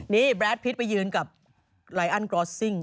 นี่แบรดพิษไปยืนกับไลอันกรอสซิ่ง